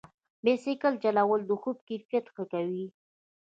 بایسکل چلول د خوب کیفیت ښه کوي.